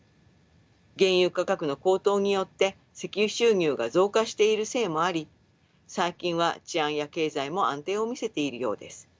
原油価格の高騰によって石油収入が増加しているせいもあり最近は治安や経済も安定を見せているようです。